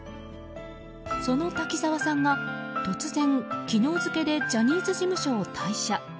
その滝沢さんが突然昨日付でジャニーズ事務所を退社。